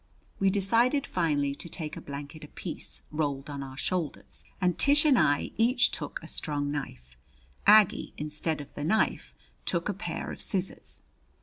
We decided finally to take a blanket apiece, rolled on our shoulders, and Tish and I each took a strong knife. Aggie, instead of the knife, took a pair of scissors.